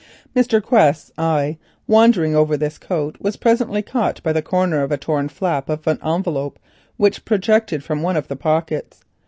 Mr. Quest's eye wandering over this coat, was presently caught by the corner of a torn flap of an envelope which projected from one of the pockets.